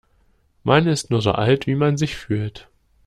Man ist nur so alt, wie man sich fühlt.